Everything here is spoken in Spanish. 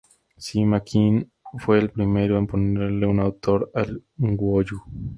Sima Qian fue el primero en ponerle un autor al "Guo Yu".